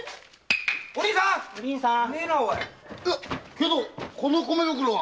けどこの米袋は。